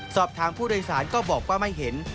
สอบถามผู้โดยสารก็บอกว่าไม่เห็น